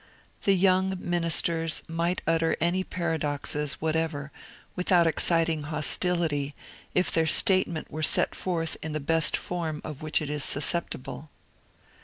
The young ministers might utter any paradoxes whatever without exciting hostility if their statement were set forth in the best form of which it is susceptible.